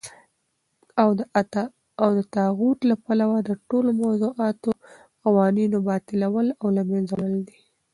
او دطاغوت له پلوه دټولو موضوعه قوانينو باطلول او له منځه وړل دي .